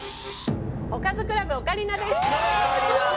おかずクラブオカリナです。